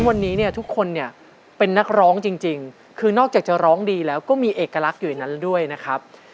วันนี้เนี่ยทุกคนเนี่ยเป็นนักร้องจริงคือนอกจากจะร้องดีแล้วก็มีเอกลักษณ์อยู่ในนั้นด้วยนะครับ